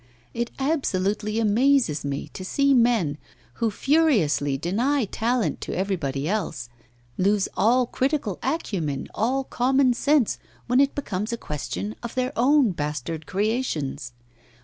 It absolutely amazes me to see men, who furiously deny talent to everybody else, lose all critical acumen, all common sense, when it becomes a question of their own bastard creations.